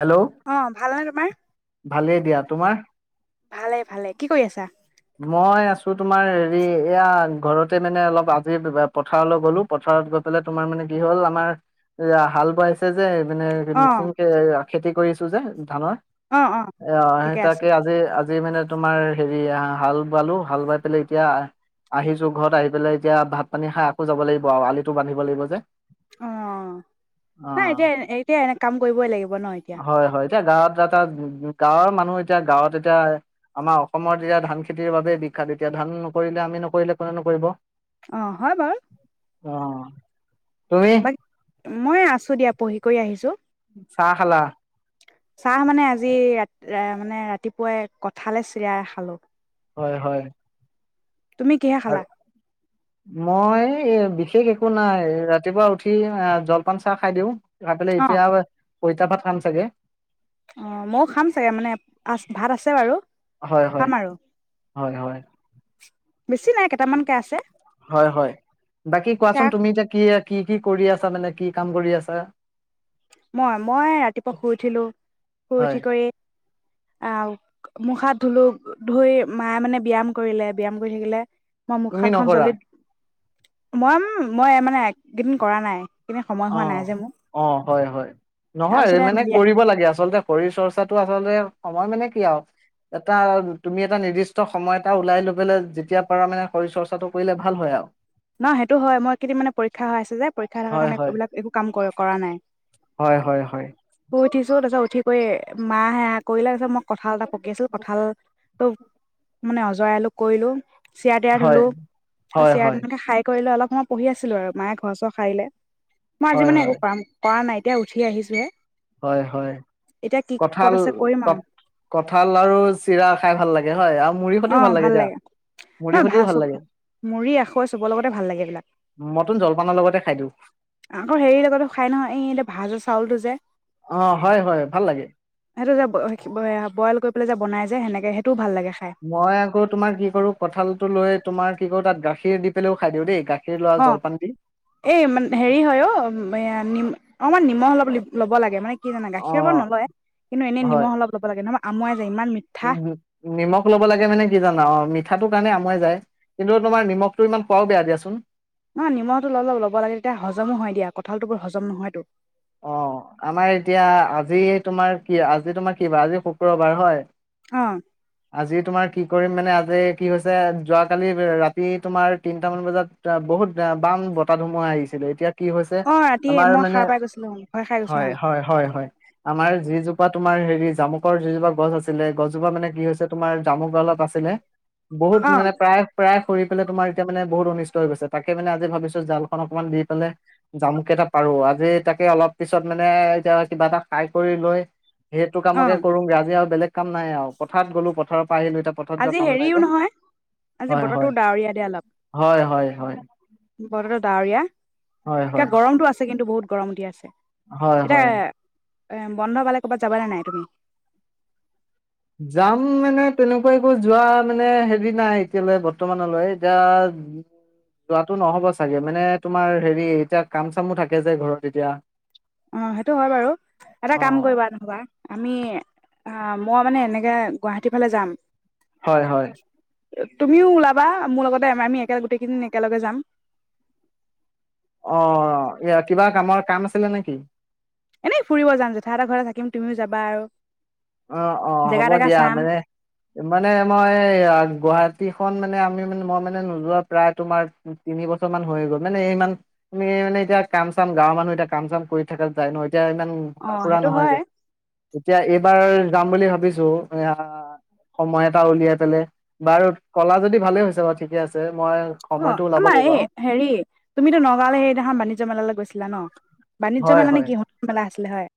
Hello অ' ভাল নে তোমাৰ। ভালেই দিয়া তোমাৰ। ভালে-ভালে কি কৰি আছা? টো তোমাৰ হেৰি এয়া ঘৰত তে মানে অলপ আজি পথাৰলৈ গ'লো পথাৰত গৈ পেলাই তোমাৰ মানে কি হ'ল আমাৰ হাল বোৱাইছে। ছে যে মানে অ মিচিংকে খেতি কৰিছো যে ধানৰ। অ অ এ সেই ঠিকে আছে তাকে আজি-আজি। যি মানে তোমাৰ হেৰি হাল বোৱালো হাল বোৱাই পেলাই এতিয়া আহিছো ঘৰত আহি পেলাই এতিয়া ভাত পানী খাই আকৌ যাব লাগিব আৰু আলিটো বান্ধিব লাগিব যে। অ' নাই এতিয়া-এতিয়া এনে কাম কৰিবই লাগিব। ন এতিয়া হয়-হয়। এতিয়া গাঁৱত এটা উ গাঁৱৰ মানুহ এতিয়া গাঁৱত এতিয়া আমাৰ অসমত এতিয়া ধান খেতিৰ বাবোবেই বিখ্যাত, এতিয়া ধান নকৰিলে আমি নকৰিলে কোনে নকৰিব। অ হয় বাৰু অ', তুমি বাকী মই আছো দিয়া পঢ়ি কৰি আহিছো। চাহ খালা? চাহ মানে আজি ৰা মানে ৰাতিপুৱাই কঠালে চিৰাই খালো। হয়-হয়। তুমি কিহে খালা? মই বিশেষ একো নাই ৰাতিপুৱা উঠি অহ জলপান চাহ খাই দিওঁ। খাই পেলায় অ এতিয়া। পইতা ভাত খাম চাগে। অ', ময়ো খাম চাগে মানে আ ভাত আছে বাৰু হয় হয় খাম আৰু। হয় হয় বেছি নাই কেইটামানকে আছে হয় হয়, বাকী এতিয়া কোৱাচোন তুমি এতিয়া কি কি কি কৰি আছ ছা মানে কি কাম কৰি আছা? মই মই ৰাতিপুৱা শুই উঠিলো, শুই হয় উঠি কৰি আহ মুখাত ধুলো, ধুই মায়ে মানে ব্যায়াম কৰিলে ব্যায়াম কৰি থাকিলে মই তুমি মুখাৰখন নকৰা জলি মইম মই মানে কেইদিন কৰা নাই। কিনে সময় অ হোৱা নাই যে মোৰ। অ হয় হয়, নহয় তাৰপিছতে মানে কৰিব লাগে আচলতে শৰীৰ চৰ্চাটো আচলতে সময় মানে কি আৰু, এটা তুমি এটা নিৰ্দিষ্ট সময় এটা উওলাই লবলে যেতিয়া পাৰা মানে শৰীৰ চৰ্চাটো কৰিলে ভাল হয় আৰু। ন সেইটো হয়, মই একেদিন মানে পৰীক্ষা হৈ আছে যে পৰীক্ষা থকাৰ হয় কাৰণে হয় এইবিলাক একো কাম কৰা নাই। হয় হয় হয় শুই উঠিছোঁ তাছৰ উঠি কৈ মা হে কৰিলে পিছত মোক কঁঠাল এটা পকি আছিল কঁঠাল। ত মানে অজৰালোক কৰিলো। ছিয়া দিয়া ধুলো হয় হয় ছিয়া হয় দিল খাই কৰিলে অলপ সময় পঢ়ি আছিলো আৰু মায়ে ঘৰ চৰ খাৰিলে। মই আজি হয় মানে হয় একো কৰাম কৰা নাই। এতিয়া উঠি আহিছোঁহে। হয় হয়, কঠাল আছে কৰিম আৰু কঠাল আৰু চিৰা খাই ভাল লাগে হয়, আৰু মুড়ি সতিও অ', ভাল দিয়া লাগে, মুড়ি নহ সতিও ভাল চব, লাগে মুৰী আখৈ চবৰ লগতে ভাল লাগে এইবিলাক। মটন জলপানৰ লগতে খাই দিওঁ আকৌ হেৰিৰ লগতো খাই নহয় এই এতিয়া ভাজ চাউল যে। অ হয় হয় ভাল লাগে সেইটো যে বৈ-বৈয়া-বইল কৰি পেলাই যে বনাই য যে সেনেকে সেইটোও ভাল লাগে খাই। মই আকৌ তোমাৰ কি কৰো কঁঠালটো লৈ তোমাৰ কি কৰো তাত গাখীৰ দি পেলও খাই দিওঁ দেই, গাখীৰ লোৱা অ', জলপান দি এই ম হেৰি হয় অ' এ নি অমান নিমখ অলপ ল'ব লাগে মানে কি জানা অ গাখীৰৰ বাৰ নলয়, কিন্তু এনে নিমখ অলপ লব লাগে নহয় আমুৱাই যায় ইমান উ মিঠা নিমখ লব লাগে মানে কি জানা অ', মিঠাটোৰ কাৰণে সোমাই যায়, কিন্তু তোমাৰ, নিমখটো ইমান খোৱাও বেয়া দিয়া চোন। নহয়, নিমখটো অলপ ল'ব, লাগে তেতিয়া হজমো হয়, দিয়া কঁঠালটো বৰ, হজম নহয়তো। অ, আমাৰ এতিয়া আজি, তোমাৰ কি আজি, তোমাৰ কি বাৰ, আজি শুক্ৰবাৰ হয়। অ', আজি তোমাৰ, কি কৰিম মানে, আজি কি হৈছে, যোৱা কালি ৰাতি, তোমাৰ তিনটা মান বজাত, বহুত বাম বতাহ, ধুমুহা আহিছিলে। এতিয়া কি হৈছে অ', ৰাতিয়ে, আমাৰ মই মানে সাৰ পাই গৈছিলো। হয়, হয়, হয়, হয় আমাৰ যিজোপাত তোমাৰ হেৰি জামুকৰ, যিজোপা গছ আছিলে, গছজোপা মানে কি হৈছে, তোমাৰ জামুক দালত আছিলে বহুত অ', মানে, প্ৰায়, প্ৰায় কৰি পেলাই তোমাৰ, এতিয়া মানে বহুত অনিষ্ট হৈ গৈছে, তাক মানে আজি ভাবিছো জালখন, অকনমান দি পেলাই, জামুকেইটা পাৰো আজি, তাকে অলপ পিছত, মানে কিবা এটা, খাই কৰি লৈ সেইটো কামকে অ', কৰো গে, আজি আৰু বেলেগ কাম নাই আৰু, পথাৰত গ'লো, পথাৰত পাৰিলো এতিয়া, পথাৰত যোৱা আজি কাম নাই, হেৰিও যে নহয় আজি বতৰটো ডাৱৰীয়া দিয়া অলপ বতৰটো ডাৱৰীয়া। হয় হয় এতিয়া গৰমতটো, আছে কিন্তু বহুত। গৰম দিয়া আছে। হয়, এতিয়া হয়। এ, বন্ধ পালে, কবাত যাবা নে নাই তুমি? যাম মানে, তেনেকুৱা একো যোৱা, মানে হেৰি নাই, এতিয়ালে বৰ্তমানলৈ, এতিয়া যোৱাাতটো নহব চাগে, মানে তোমাৰ হেৰি এতিয়া কাম চামো থাকে, যে ঘৰত এতিয়া অ', সেইটো হয় বাৰু, এটা কাম অ' কৰিবা নহবা আমি অ', মই মানে এনেকে, গুৱাহাটীৰ ফালে যাম। হয়, হয়। তুমিও ওলাবা, মোৰ লগতে, আমি একেলগে গোটেই কেইজনী, একেলগে যাম। অ', এয়া কিবা কামৰ, কাম আছিলে নেকি? এনেই ফুৰিব যাম, জেঠাহতৰ, ঘৰতে থাকিম তুমিও যাবা আৰু। অ', অ', জেগা হ'ব তেগা দিয়া, চাম মানে, মানে মই গুৱাহাটী খন মানে, আমি মানে, মই মানে নোযোৱা, প্ৰায় তোমাৰ তিনি বছৰ মান হৈ গ'ল, মানে ইমান, তমি মানে, এতিয়া কাম, চাম গাঁৱৰ মানুহ এতিয়া কাম, চাম কৰি থাকা যায় ন। এতিয়া, ইমান অ ঘুৰা, ফুৰা সেইটো নহয় হয় যে, এতিয়া এই যাম বুলি ভাবিছো, এ, সময় এটা উলিয়াই, পেলাই বাৰু, কলা যদি ভালে হৈছে, বাৰু ঠিকে আছে। মই অ', সময়টো ওলাব আমাৰ লাগিব এই, আৰু হেৰি তুমিতো নগাঁৱলৈ, সেইদিখখন বাণিজ্যয় মেলালৈ, গৈছিলা ন। বাণিজ্য হয় মেলা, হয় নেকি সণ মেলা, আছিলে হয়।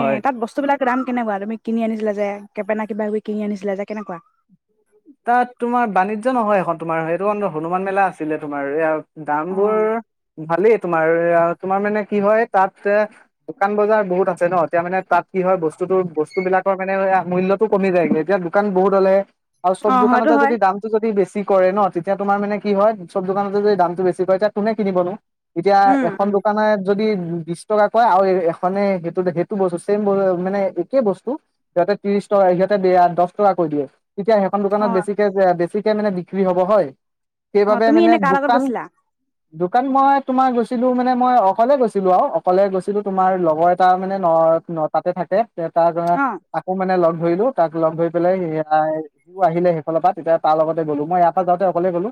এ, তাত বস্তু বিলাক আক দম কেনেকুৱা, তুমি কিনি আনিছিলা যে, কেপা, না কিবা, কিবি কিনি আনিছিলা যে, কেনেকুৱা তাত তোমাৰ বাণিজ্য নহয়, এখন তোমাৰ, সেইটো হনুমান মেলা আছিলে, তোমাৰ এয়া দাম বোৰ, অ', ভালেই। তোমাৰ তোমাৰ মানে কি হয় তাত দোকান বজাৰ বহুত আছে ন' এতিয়া মানে তাত কি হয় বস্তুতো বস্তু বিলাকৰ মানে মূল্যটো কমি যায় কি এতিয়া দোকান বহুত হ'লে আৰু সব অ', হয়তো দোকানত হয় যদি দামটো যদি বে কৰে ন' তেতিয়া তোমাৰ মানে কি হয় চব দোকানতে যদি দামটো বেছি হয় তেতিয়া কোনে কিনিবনো। এতিয়া উম, এখন উম, দোকানে যদি উ, বিশ টকা কয় আৰু এনে সেইটো সেইটো বস্তু চছেম মানে একে বস্তু সিহঁতে ত্ৰিশ টকা সিহঁতে দশ টকা কৈ দে তেতিয়া সিহ দোকানত অ', বেছিকে বেছি তেয়া মানে বিক্ৰী হ'ব হয়। অ', সেইবাবে তুমি মানে এনে কাৰ লগত দোকান গৈছিলা? দোকান মই তোমাৰ গৈছিলো মানে মই অকলে গৈছিলো আৰু অকলে গৈছিলো তোমাৰ লগৰ এটা মানে ন' ন' তাতে থাকে। তাৰ ধৰা অ', আকৌ মানে লগ ধৰিলো তাক লগ ধই পেলাই সেয়াই সও আহিলে সেইফালৰ পৰা তেতিয়া তাৰ লগতে গ'লো মই ইয়াৰ পৰা যাওঁতে অকলে গ'লো।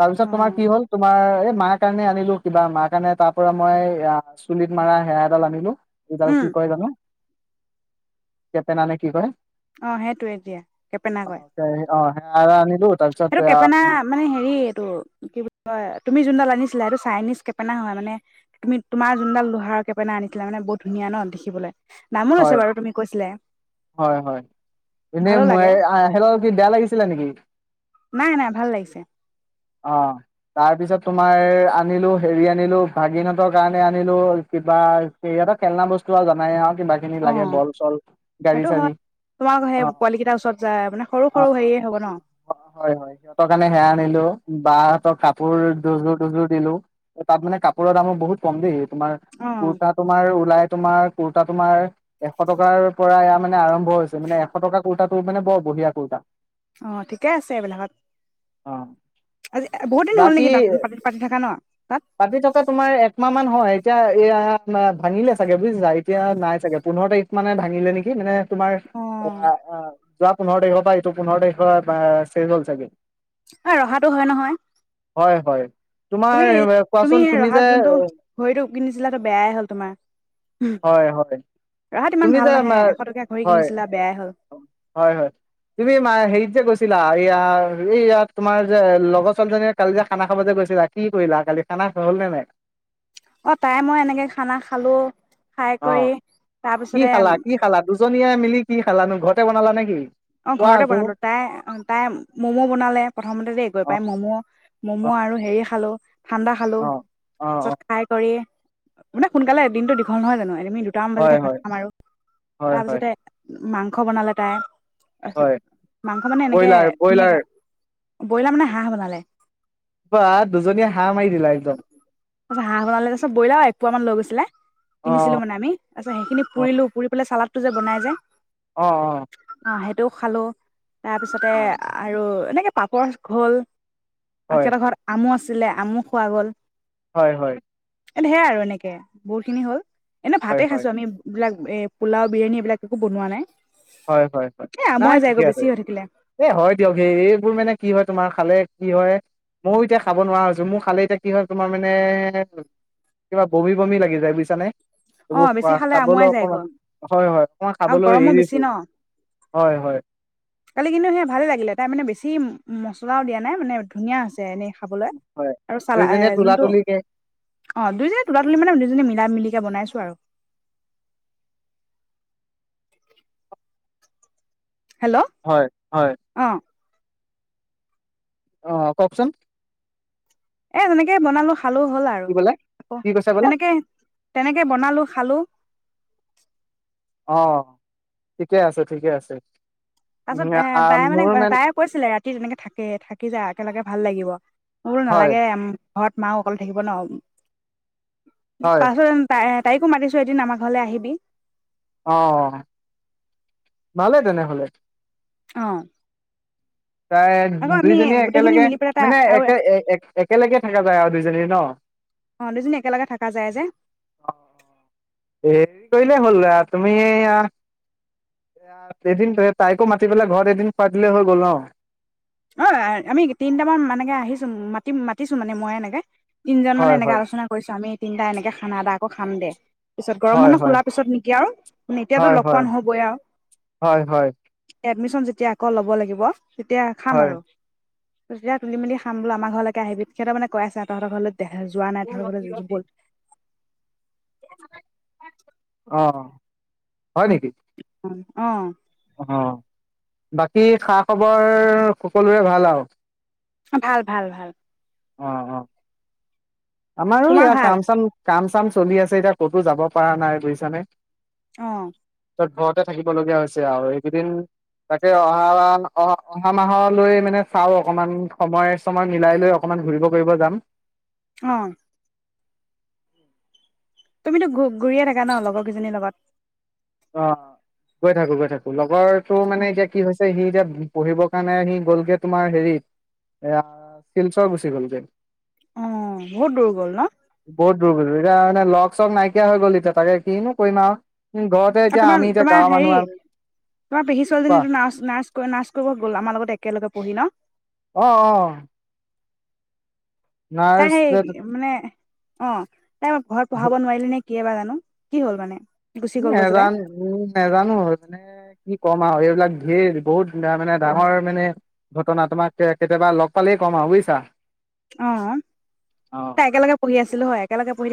তাৰপিছত তোমাৰ অ', কি হ'ল তোমাৰ মাৰ কাৰণে আনিলো কিবা মাৰ কাৰণে তাৰ পৰা মই অ', চুলিত মৰা সেয়া এডাল আনিলো। এডাল উম, কি কয় জানো। কেপে নানে কি কৰে? অ', সেইটোৱে এতিয়া। কেপেনে কয়। অ', সে আৰু আনিলো। তাৰপিছত এইটো কেপেনা মানে হেৰি এইটো কি বুলি কয় তুমি যোনডাল আনিছিলা এইটো চাইনিজ কেপেনা হয় মানে তুমি তোমাৰ যোনডাল লোহাৰৰ কেপেনা আনিছিলে মানে বহুত ধুনীয়া ন' দেখিবলৈ। দামো লৈছে হয়, বাৰু তুমি কৈছিলে হয়, হয় এনেই ভালো লাগে মই অ', কি বেয়া লাগিছিলা নেকি? নাই, নাই ভাল লাগিছে। অ', তাৰ পিছত তোমাৰ আনিলো হেৰি আনিলো ভাগিনহঁতৰ কাৰণে আনিলো কিবা সিহঁতৰ খেলনা বস্তু আৰু জানাই আৰু খেনে লাগে অ', বল চল গাড়ী সেইটো চাৰী হয় তোমালোকৰ সেই অ', পোৱালি কেইটাৰ ওচৰত যায় মানে সৰু সৰু অ', হেৰিয়ে হ'ব ন হয়, হয় সিহঁতৰ কাৰণে সেয়া আনিলো। বাহহঁতৰ কাপোৰ দুযোৰ দুযোৰ দিলো তাত মানে কাপোৰৰ দামো বহুত কম দেই। তোমাৰ অ', কুৰ্তা তোমাৰ ওলাই তোমাৰ কুৰ্তা তোমাৰ এশ টকাৰ পৰা এয়া মানে আৰম্ভ হৈছে মানে এশ টকা কুৰ্তাত মানে বৰ বঢ়িয়া কুৰ্তা। অ', ঠিকে আছে এইবিলাকত অ আজি বহুত দিন হ'ল নেকি তাত বাকী পাতি থকা ন' তাত পাতি থকা তোমাৰ একমাহ মান হয় এতিয়া এয়া ভাঙিলে চাগে বুজিছা এতিয়া নাই চাগে। পোন্ধৰ তাৰখ মানে ভাঙিলে নেকি মানে তোমাৰ অ'। যোৱা পোন্ধৰ তাৰিখৰ পৰা এইটো পোন্ধৰ তাৰিখৰ চেজ হ'ল চাগে অ ৰহাটো হয় নহয়। হয় হয়। তোমাৰ তুমি, তুমি কোৱাচোন যে ৰহাত যোনটো ঘৰিটো কিনিছিলা বেয়াই হ'ল তোমাৰ, হ'ম হয় হয় তুমি যে, হয়, কিনিছিলা বেয়াই হ'ল হয়-হয়, তুমি মা হেৰি যে গৈছিলা, এইয়া এই ইয়াত তোমাৰ যে লগৰ ছোৱালীজনীয়ে কালি যে খানা খাব যে গৈছিলা। কি কৰিলা কালি, খানা খাবা হ'ল নে নাই? অ' তাই মই এনেকে খানা খালো, খাই অ কৰি কি তাৰপিছতে খালা, কি খালা? দুজন নিয় মিলি কি খালানো? ঘৰতে বনালা নে কি? অ ঘৰতে বনালো। তাই অ' তাই ম'ম' বনালে, প্ৰথমতে দ গৈ অ পাই, ম'ম', অ ম'ম' আৰু হেৰি খালো ঠাণ্ডা খালো, অ অ অ তাৰ পিছত খাই কৰি মানে সোনকালে, এদিনতো দীঘল নহয় জানো আমি দুটামান বাজিতে হয় ভাত হয় খাম আৰু, হয় তাৰ হয় পাছতে, মাংস খ বনালটাই। হয় মাংস মানে এনেকে, ব্ৰইলাৰ ব্ৰইলাৰ ধুনীয়াকে ব্ৰইলাৰ মানে হাঁহ বনালে। বা দুজনীয়ে হাঁহ মাৰি দিলা একদম তাৰছ হাঁহ বনালে ত পছত, বইলা আৰু একোুৱ মান লৈ গৈছিলে অ কিনিছিলো মানে আমি, তাচত সেইখিনিুৰিো পুৰিলো, পুৰি পেলাই চালাত টো যে বনাই যায় অঁ-অঁ। অঁ সেইটোও খালো। তাৰপিছতে আৰু এনে পাপৰ ঘল আও হয় হেতৰ ঘৰত আমো আছ ছিলে, আমু খোৱা গ'ল। হয়-হয়। ধেয়া আৰু এনেকে, বহুত খিনি হ'ল এনে হয় ভাতে হয় খাইছো, আমি বিলাক এই পোলাও বিৰিয়ানী এইবিলাক একো বনোৱা নাই হয়-হয়-হয়, এ নাই আমুৱাই ঠিকে যায়গৈ বেছি আছে, হৈ থাকিলে এ' হয় দিয়ক, সে এইবোৰ মানে কি হয় তোমাৰ খালে কি হয়, মো এতিয়া খাব নোৱাৰা হৈছো, মোৰ খালে এতিয়া কি হয় তোমাৰ মানে, কিবা বমি বমি লাগি যায়, বুজিছানে। অ এইবোৰ খ বেছি খালে খাবলৈ আমুৱাই অকমান, যায়গৈ হয়-হয়, অকমান আৰু খাবলৈ গৰমো এৰি দিছো। [inaudible] হয় হয় কালি কিন্তু সেয়া ভালে লাগিলে, তাই মানে বেছি উ মছলাও দিয়া নাই, মানে ধুনীয়া হৈছে, এনেই খাবলৈ হয় আৰু চালা এ দুইজনীয়ে তোলা যোনটো তুলিকে অ' দুইজনে তোলা তুলি মানে দুইজন মিলা মিলে বনাইছু। [unintelligible] হেল্ল' হয় হয়। অ অ' কওকচোন। এ সেনেকে বনালো। খালো হ'ল আৰু কি বোলে আকৌ কি কৈছে বোলে তেনেকে তেনেকে বনালো খালো। অ' ঠিকে আছে ঠিকে আছে। পিছত উম, এ আহ, তাইে মানে মোৰ তাইে কৈছিলে ৰাত [unintelligible] থাকে থাকি যায় একেলগে ভাল লাগিব। ল হয় নালাগেম। ঘৰত মা অকল থাকিব ন। হয় পাছত ত [unintelligible] তাইকো মাতিছো এদিন আমাৰ ঘৰলৈ আহিবি। অ' ভালেই তেনেহলে। অ'। তাই আকৌ আমি দুইজনীয়ে গোটেইখিনি একেলগে মিলি পেলাই তাই মানে আৰু একে এক একে একেলগে থকা যায় আৰু দুইজনী ন অ দুইজনী একেলগে থাকা যায় যে অ', অ'। হেৰি কৰিলেই হ'ল তুমি এয়া এদিন তাইকো মাতি পেলাই ঘৰত এদিন খুৱাই দিলে হৈ গ'ল ন। অ' আমি তিনিটামান মানকে আহিছো মাতি মাতিছো মানে মই এনেকে। তিনজন মানে হয় এনেকে হয় আলোচনা কৰিছো আমি তিনিটা এনেকে খানা এটা আকো খাম দে। পিছত গৰম হয় মানহ হয় খোলা পিছত নেকি আৰু মে এতিয়াতো হয় লগ পোৱা হয় নহবই আৰু হয় হয় [unintelligible] মিছন যেতিয়া আকৌ ল'ব লাগিব তেতিয়া। খাম হয় আৰু। তেতিয়া তুলি মিলি খাম বুলো আমৰ ঘৰলৈকে আহিবি সিহঁতৰ মানে কৰা আছে তহঁতৰ ঘৰলৈ দেহ যোৱা নাই তহঁতৰ ঘৰলৈ [unintelligible] অ' হয় নেকি? [unintelligible] অ'। হ বাকী খা খবৰ সকলোৰে ভাল আৰু। ভাল ভাল ভাল। অ', অ'। আমাৰো তোমাৰ ইয়াৰ ভাল কাম চাম কাম চাম চলি আছে এতিয়া ক'তো যাব পাৰা নাই বুজিছানে। অ'। [unintelligible] ঘৰতে থাকিব লগীয়া হৈছে আৰু এইকেইদিন তাকে অহা অ' অহা মাহলৈ মানে চাও অকমান সময় চময় মিলাই লৈ অকনমান ঘুৰিব কৰিব যাম। অ'। [inaudible] তুমিতো ঘু ঘূৰিয়ে থাকা ন লগৰকেইজনীৰ লগত। অ' গৈ থাকো গৈ থাকো। উ লগৰ তো অ মানে এতিয়া কি হৈছে সি এতিয়া পঢ়িবৰ কাৰণে আহি গ'লগে তোমাৰ হেৰিত এ শিলচৰ গুচি গ'লগৈ অ বহত দূৰ গ'ল ন বহুত দূৰ এতিয়া মানে লগ চ নাইকিয়া হৈ গ'ল এতিয়া তাকে কিনো কৰিম আৰু ঘৰতে আৰু এতিয়া তোমাৰ আমি এতিয়া তোমাৰ গাঁৱৰ মানুহ হেৰি আমি তোমাৰ পেহী কোৱা ছোৱালীজনী নাৰছ নাৰছ নাৰছ কৰিব গ'ল আমাৰ লগত একেলগে পঢ়ি ন আহ অ তাহেই নাৰ্ছ মানে অ তাই ঘৰত পঢ়াব নোৱাৰিল নে কি বাাৰ জানো কি হ'ল মানে গুচি গ'ল গৈ যে তাই নজানো উম নজানো হয় মানে কি কম আৰু বিলাক ধেৰ বহুত মানে ডাঙৰ মানে ঘটনা তোমাক কেতিয়াবা লগ পালেই কম আৰু বুজিছা অ অ'। তাই একেলগে পঢ়ি আছিলো হয় একেলগে পঢ়ি